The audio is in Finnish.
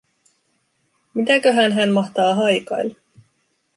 Mitäköhän hän mahtaa haikailla?